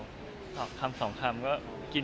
คำสองคำก็กินเยอะขึ้นอะไรอย่างนี้ครับ